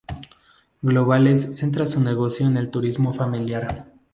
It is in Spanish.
Globales centra su negocio en el turismo familiar.